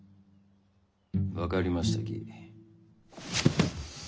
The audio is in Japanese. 分かりましたき。